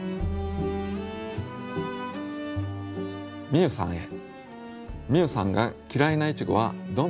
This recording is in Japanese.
みゆさんへ。